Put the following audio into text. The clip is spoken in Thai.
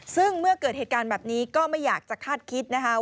ซึ่งเมื่อเกิดเหตุการณ์แบบนี้ก็ไม่อยากจะคาดคิดนะคะ